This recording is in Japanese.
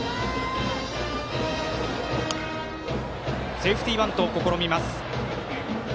セーフティーバントを試みます。